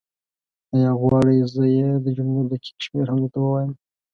ایا غواړې زه یې د جملو دقیق شمېر هم درته ووایم؟